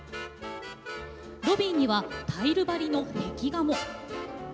ロビーにはタイル張りの壁画も。